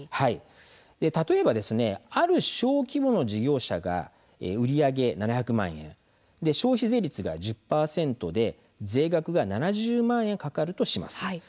例えば、ある小規模の事業者が売り上げ７００万円消費税率が１０％で税額が７０万円かかるとします。